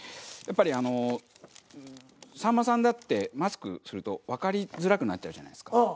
やっぱりあのさんまさんだ！ってマスクするとわかりづらくなっちゃうじゃないですか。